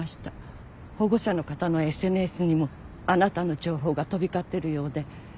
保護者の方のＳＮＳにもあなたの情報が飛び交ってるようで。